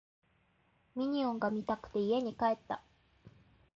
ミニオンが見たくて家に帰った